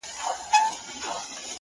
ورباندي پايمه په دوو سترگو په څو رنگه-